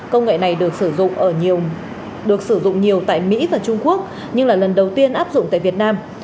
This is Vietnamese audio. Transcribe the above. công nghệ này được sử dụng nhiều tại mỹ và trung quốc nhưng là lần đầu tiên áp dụng tại việt nam